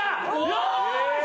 よし！